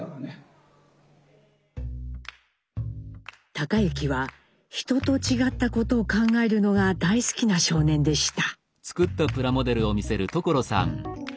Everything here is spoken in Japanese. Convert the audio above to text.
隆之は人と違ったことを考えるのが大好きな少年でした。